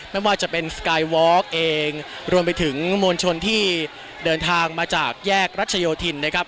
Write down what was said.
ไม่ว่าจะเป็นสกายวอล์กเองรวมไปถึงมวลชนที่เดินทางมาจากแยกรัชโยธินนะครับ